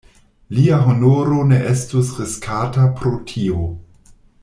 Lia honoro ne estus riskata pro tio.